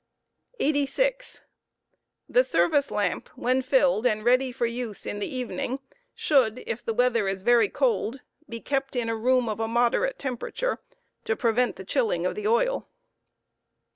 86! The service lamp when filled and xeady for use in the evening should, if the weather is very cold, be kept in a room of a moderate temperature to prevent the chilling of the oil.